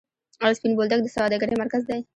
آیا سپین بولدک د سوداګرۍ مرکز دی؟